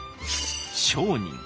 商人。